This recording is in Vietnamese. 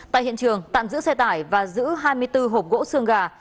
tại hiện trường tạm giữ xe tải và giữ hai mươi bốn hộp gỗ xương gà